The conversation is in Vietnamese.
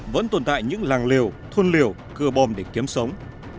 vẫn tồn tại những làng liều thôn liều cơ bom để kiếm sống